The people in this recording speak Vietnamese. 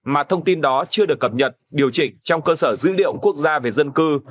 mà thông tin đó chưa được cập nhật điều chỉnh trong cơ sở dữ liệu quốc gia về dân cư